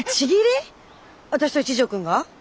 私と一条くんが？